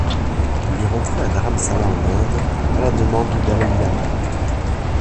Il est rentré à Dharamsala en Inde à la demande du dalaï-lama.